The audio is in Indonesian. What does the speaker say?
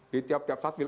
di tiap tiap sabil